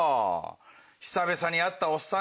久々に会ったおっさん